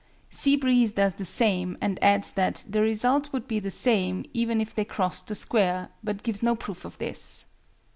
SEA BREEZE does the same, and adds that "the result would be the same" even if they crossed the Square, but gives no proof of this.